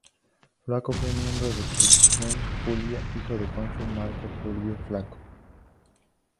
Flaco fue miembro de la "gens" Fulvia, hijo del cónsul Marco Fulvio Flaco.